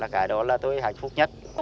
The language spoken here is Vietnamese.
cái đó là tôi hạnh phúc nhất